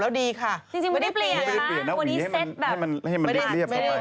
วันนี้เปลี่ยนโว้มิจะฆ่าเป็นเพียงอะไร